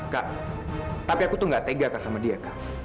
kak tapi aku tuh gak tega kak sama dia kak